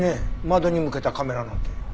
窓に向けたカメラなんて。